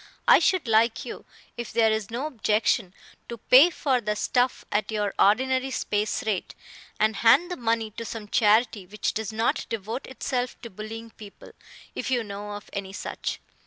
I should like you, if there is no objection, to pay for the stuff at your ordinary space rate, and hand the money to some charity which does not devote itself to bullying people, if you know of any such.